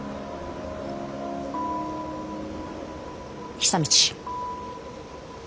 久通。